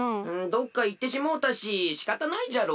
どっかいってしもうたししかたないじゃろ。